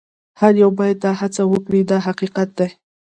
هر یو باید دا هڅه وکړي دا حقیقت دی.